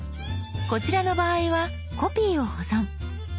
こちらの場合は「コピーを保存」。